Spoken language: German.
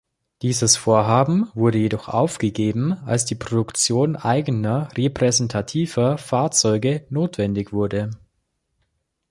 Dieses Vorhaben wurde jedoch aufgegeben, als die Produktion eigener repräsentativer Fahrzeuge notwendig wurde.